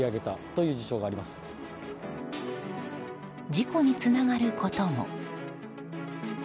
事故につながることも。